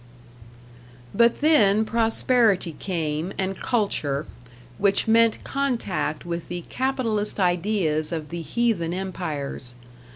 But then prosperity came, and culture, which meant contact with the capitalist ideas of the heathen empires.